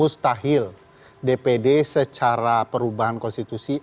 mustahil dpd secara perubahan konstitusi